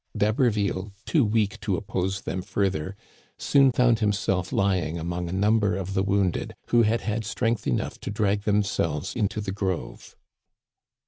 D'Haberville, too weak to oppose them further, soon found himself lying among a number of the wounded, who had had strength enough to drag them selves into the grove.